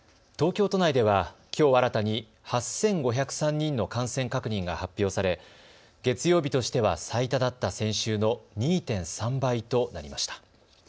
東京都内では、きょう新たに８５０３人の感染確認が発表され月曜日としては最多だった先週の２．３倍となりました。